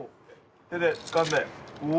手でつかんでうお！